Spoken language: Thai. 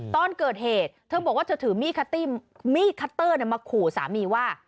ตอนเกิดเหตุเธอบอกว่าเธอถือมีดคัตเตอร์มาขู่สามีว่า